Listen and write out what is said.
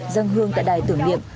dâng hương tại đài tưởng niệm